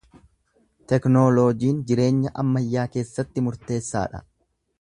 Teknooloojiin jireenya ammayyaa keessatti murteessaadha.